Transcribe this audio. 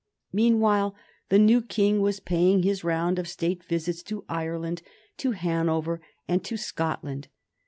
Meanwhile the new King was paying his round of State visits to Ireland, to Hanover, and to Scotland.